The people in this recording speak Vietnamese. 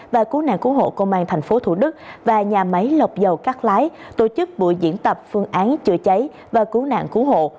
và cú nạn cú hộ công an tp thủ đức và nhà máy lọc dầu cát lái tổ chức buổi diễn tập phương án chữa cháy và cú nạn cú hộ